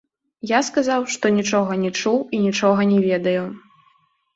Я сказаў, што нічога не чуў і нічога не ведаю.